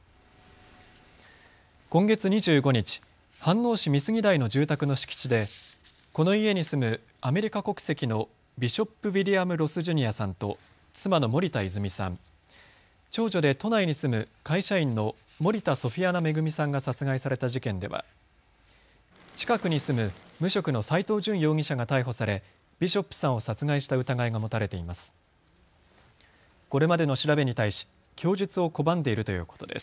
今月２５日、飯能市美杉台の住宅の敷地でこの家に住むアメリカ国籍のビショップ・ウィリアム・ロス・ジュニアさんと妻の森田泉さん、長女で都内に住む会社員の森田ソフィアナ恵さんが殺害された事件では近くに住む無職の斎藤淳容疑者が逮捕されビショップさんを殺害した疑いが持たれています。